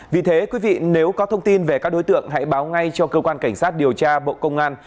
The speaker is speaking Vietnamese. vì thế quý vị nếu có thông tin về các đối tượng hãy báo ngay cho cơ quan cảnh sát điều tra bộ công an